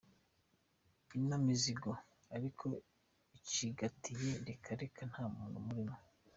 In mizigo arko acigatiye reka reka ntamuntu umurimo.